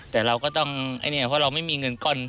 แต่เราก็ต้องไอ้เนี่ยเพราะเราไม่มีเงินก้อน